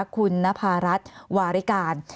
คุณนภารัฐวาริการ